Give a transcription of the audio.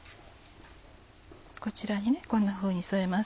こちらにこんなふうに添えます。